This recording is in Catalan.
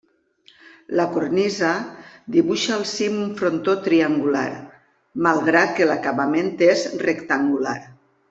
La cornisa dibuixa al cim un frontó triangular, malgrat que l'acabament és rectangular.